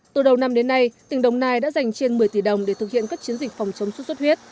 từ đầu năm đến nay tỉnh đồng nai đã dành trên một mươi tỷ đồng để thực hiện các chiến dịch phòng chống xuất xuất huyết